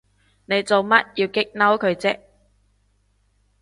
你做乜要激嬲佢啫？